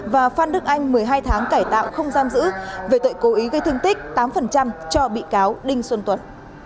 và phan đức anh một mươi hai tháng cải tạo không giam giữ về tội cố ý gây thương tích tám cho bị cáo đinh xuân tuấn